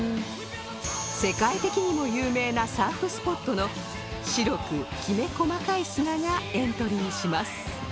世界的にも有名なサーフスポットの白くきめ細かい砂がエントリーします